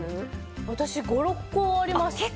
私、５６個あります。